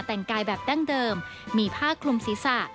แต่งกายแบบดั้งเดิมมีผ้าคลุมศีรษะ